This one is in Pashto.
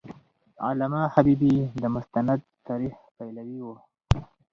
علامه حبیبي د مستند تاریخ پلوی و.